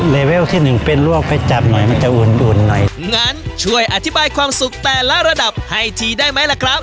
เลเวลที่หนึ่งเป็นลวกไปจับหน่อยมันจะอุ่นอุ่นหน่อยงั้นช่วยอธิบายความสุขแต่ละระดับให้ทีได้ไหมล่ะครับ